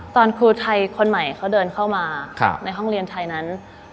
ครูไทยคนใหม่เขาเดินเข้ามาในห้องเรียนไทยนั้น